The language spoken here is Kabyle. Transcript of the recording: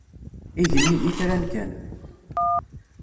Igenni d itran kan.